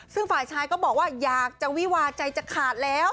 ซึ่งฝ่ายชายก็บอกว่าอยากจะวิวาใจจะขาดแล้ว